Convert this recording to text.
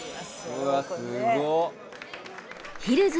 うわすごっ。